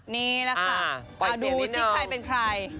นี่แหละค่ะเอาดูสิใครเป็นใคร